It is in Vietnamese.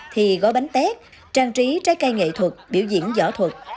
thi gói bánh tét trang trí trái cây nghệ thuật biểu diễn giỏ thuật